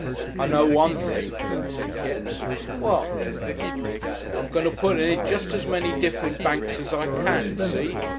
"I know one thing," said Kipps. "What?" "I'm going to put it in jest as many different banks as I can. See?